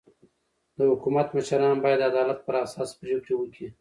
د حکومت مشران باید د عدالت پر اساس پرېکړي وکي.